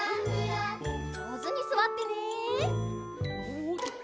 じょうずにすわってね！